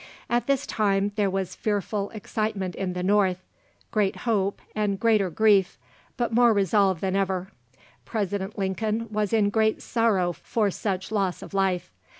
At this time there was fearful excitement in the North, great hope, and greater grief, but more resolve than ever. President Lincoln was in great sorrow for such loss of life.